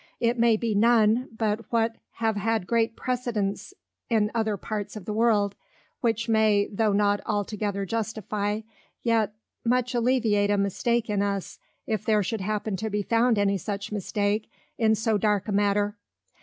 It may be none but what have had great Presedents in other parts of the World; which may, though not altogether justifie, yet much alleviate a Mistake in us if there should happen to be found any such mistake in so dark a Matter.